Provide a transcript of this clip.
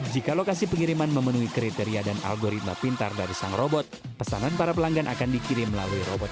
jika lokasi pengiriman memenuhi kriteria dan algoritma pintar dari sang robot pesanan para pelanggan akan dikirim melalui robot